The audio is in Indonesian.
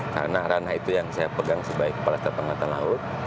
karena ranah itu yang saya pegang sebagai kepala staf angkatan laut